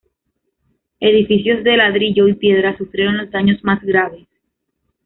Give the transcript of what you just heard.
Edificios de ladrillo y piedra sufrieron los daños más graves.